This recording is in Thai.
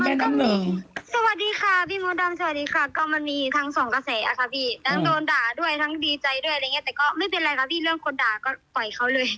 แล้วโดนด่าด้วยทั้งดีใจด้วยอะไรอย่างเงี้ยแต่ก็ไม่เป็นไรค่ะพี่เรื่องคนด่าก็ปล่อยเขาเลย